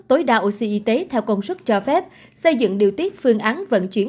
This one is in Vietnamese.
tối đa oxy y tế theo công suất cho phép xây dựng điều tiết phương án vận chuyển